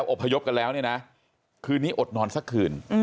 แหล่งอบไพยกันแล้วคืนนี้อดนอนสักคืน